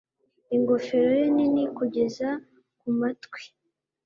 ingofero ye nini kugeza ku matwi